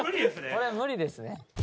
これは無理ですね。